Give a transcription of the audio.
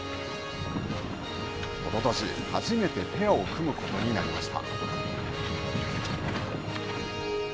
おととし初めてペアを組むことになりました。